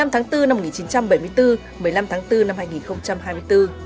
một mươi tháng bốn năm một nghìn chín trăm bảy mươi bốn một mươi năm tháng bốn năm hai nghìn hai mươi bốn